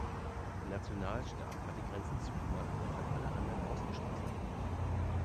Der Nationalstaat hat die Grenzen zugemacht und hat alle anderen ausgeschlossen.